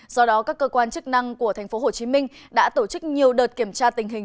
do đó các cơ quan chức năng của tp hcm đã tổ chức nhiều đợt kiểm tra tình hình